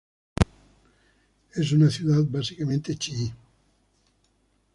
Es una ciudad básicamente chií.